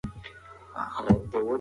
نیالګي اوس په لویو ونو بدل شوي دي.